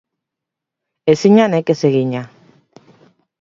Ezina nekez egina.